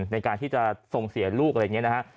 ในการที่จะส่งเสียลูกอะไรอย่างนี้นะฮะ